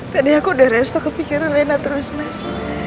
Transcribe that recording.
tadi aku udah restok kepikiran lena terus mas